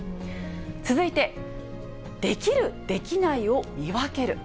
続いて、できる・できないを見分ける。